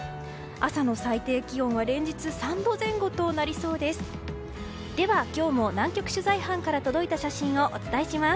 朝の最低気温は連日３度前後となりそうです。